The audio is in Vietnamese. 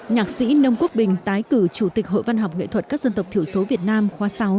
nhạc sĩ nông quốc bình tái cử chủ tịch hội văn học nghệ thuật các dân tộc thiểu số việt nam khóa sáu